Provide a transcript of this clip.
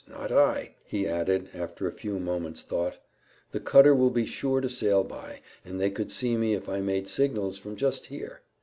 Not I," he added, after a few moments' thought; "the cutter will be sure to sail by, and they could see me if I made signals from just here."